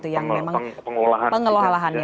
yang memang pengelolaannya